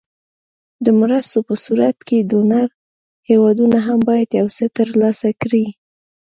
د مرستو په صورت کې ډونر هېوادونه هم باید یو څه تر لاسه کړي.